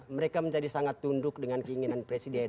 mereka menjadi sangat tunduk dengan keinginan presiden